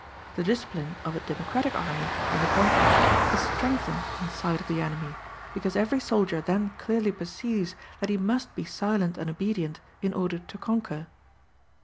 The discipline of a democratic army on the contrary is strengthened in sight of the enemy, because every soldier then clearly perceives that he must be silent and obedient in order to conquer.